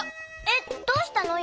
えっどうしたの？